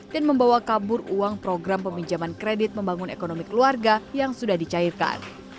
dan membawa kabur uang program peminjaman kredit membangun ekonomi keluarga yang sudah dicairkan